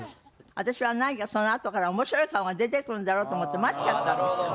私は何かそのあとから面白い顔が出てくるんだろうと思って待っちゃったんですよね。